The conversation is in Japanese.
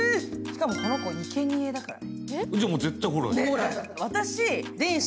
しかも、この子、いけにえだから。